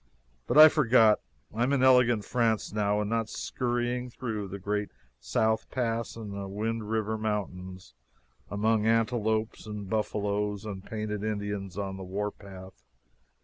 But I forgot. I am in elegant France now, and not scurrying through the great South Pass and the Wind River Mountains, among antelopes and buffaloes and painted Indians on the warpath.